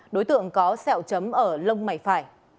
đối tượng có sẹo chấm ở lông mảy phải